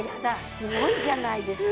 すごいじゃないですか。